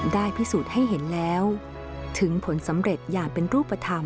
ได้พิสูจน์ให้เห็นแล้วถึงผลสำเร็จอย่างเป็นรูปธรรม